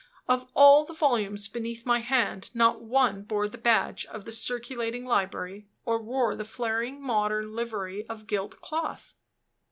Of all the volumes beneath my hand, not one bore the badge of the circulating library, or wore the flaring modern livery of gilt cloth.